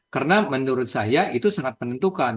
karena menurut saya itu sangat menentukan